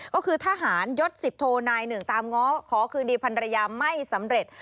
ก็คือทหารยศ๑๐โทนายหนึ่งตามง้อขอคืนดีพันรยาไม่สำเร็จ